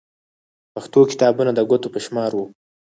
پښتو کتابونه د ګوتو په شمار وو.